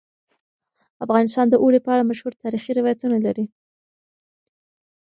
افغانستان د اوړي په اړه مشهور تاریخی روایتونه لري.